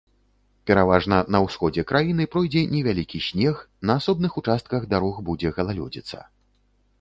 Пераважна на ўсходзе краіны пройдзе невялікі снег, на асобных участках дарог будзе галалёдзіца.